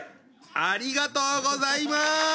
ありがとうございます！